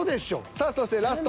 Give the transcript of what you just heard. さあそしてラスト。